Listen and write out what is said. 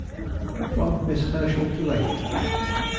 FROM MISS HERSCHEL TO LADY HERSCHEL.